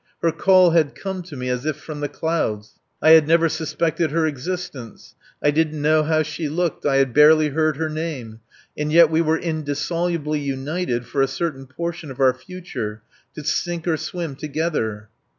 Her call had come to me as if from the clouds. I had never suspected her existence. I didn't know how she looked, I had barely heard her name, and yet we were indissolubly united for a certain portion of our future, to sink or swim together!